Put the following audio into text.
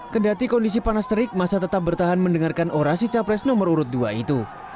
kendati kondisi panas terik masa tetap bertahan mendengarkan orasi capres nomor urut dua itu